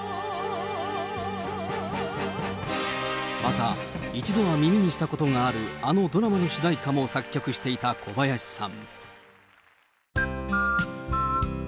また、一度は耳にしたことがあるあのドラマの主題歌も作曲していた小林さん。